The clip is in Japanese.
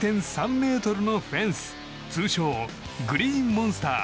１１．３ｍのフェンス通称グリーンモンスター。